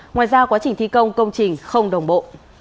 ngoài ra quá trình thi công công trình không đồng bộ